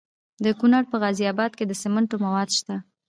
د کونړ په غازي اباد کې د سمنټو مواد شته.